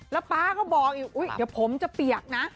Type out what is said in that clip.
แล้วป๊าก็บอกอีกเดี๋ยวผมจะเปียกนะ